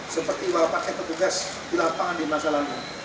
seperti wabaknya petugas di lapangan di masa lalu